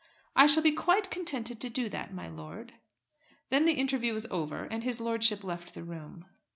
"I shall be quite contented to do that, my lord." Then the interview was over and his lordship left the room.